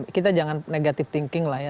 kita jangan negative thinking lah ya